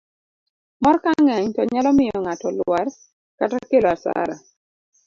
mor kang'eny to nyalo miyo ng'ato lwar kata kelo asara